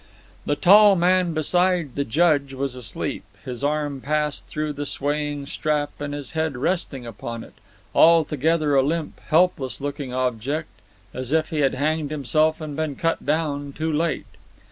The tall man beside the Judge was asleep, his arm passed through the swaying strap and his head resting upon it altogether a limp, helpless looking object, as if he had hanged himself and been cut down too late.